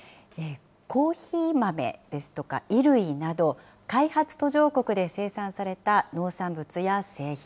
コーヒー豆ですとか、衣類など、開発途上国で生産された農産物や製品。